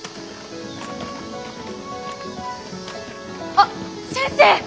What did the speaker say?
あっ先生！